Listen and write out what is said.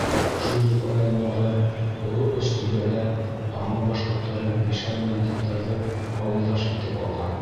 Шул уҡ райондағы Оло Өстүбәлә ҡаңлы башҡорттары мишәр менән типтәрҙе ауылдаш итеп алған.